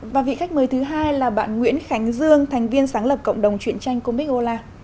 và vị khách mời thứ hai là bạn nguyễn khánh dương thành viên sáng lập cộng đồng chuyện tranh comicollah